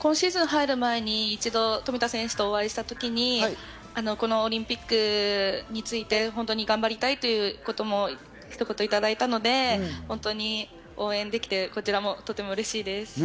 今シーズン入る前に一度、冨田選手とお会いした時にこのオリンピックについて本当に頑張りたいということもひと言をいただいたので、本当に応援できて、こちらもとても嬉しいです。